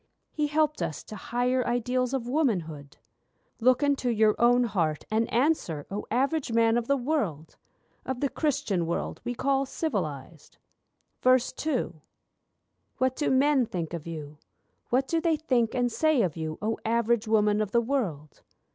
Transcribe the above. He helped us to higher ideals of womanhood'? Look into your own heart and answer, O Average Man of the world, Of the Christian world we call civilised. II What do men think of you, what do they think and say of you, O Average Woman of the world?